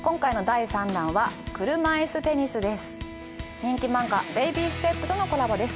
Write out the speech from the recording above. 人気漫画「ベイビーステップ」とのコラボです。